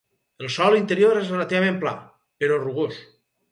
El sòl interior és relativament pla, però rugós.